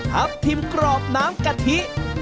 ทับทิมกรอบน้ำกะทิ